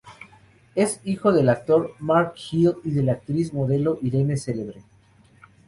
Es hijo del actor Mark Gil y de la actriz y modelo Irene Celebre.